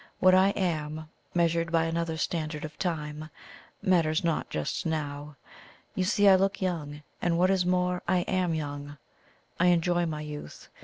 What I am, measured by another standard of time, matters not just now. You see I look young, and, what is more, I am young. I enjoy my youth.